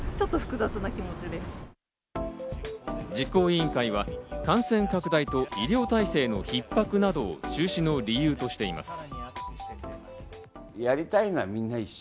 実行委員会は感染拡大と医療体制のひっ迫などを中止の理由としています。